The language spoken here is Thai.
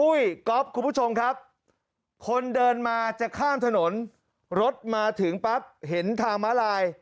ก๊อฟคุณผู้ชมครับคนเดินมาจะข้ามถนนรถมาถึงปั๊บเห็นทางมาลาย